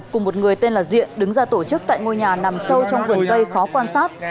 cùng một người tên là diện đứng ra tổ chức tại ngôi nhà nằm sâu trong vườn cây khó quan sát